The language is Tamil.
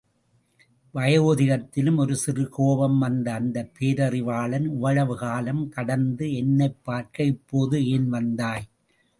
வயோதிகத்திலும் ஒரு சிறு கோபம் வந்த அந்தப்பேரறிவாளன் இவ்வளவு காலம் கடந்து என்னைப் பார்க்க இப்போது ஏன் வந்தாய்?